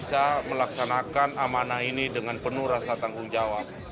kepala kepulsian negara ri jokowi